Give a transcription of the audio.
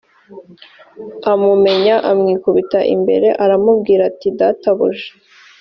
amumenya amwikubita imbere r aramubwira ati databuja s